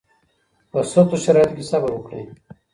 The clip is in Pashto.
په سختو شرایطو کې صبر وکړئ